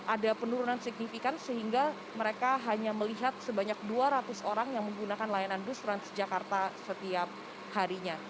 ada penurunan signifikan sehingga mereka hanya melihat sebanyak dua ratus orang yang menggunakan layanan bus transjakarta setiap harinya